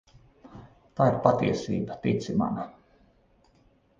Tā ir patiesība, tici man.